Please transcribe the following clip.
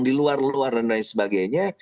di luar luar dan lain sebagainya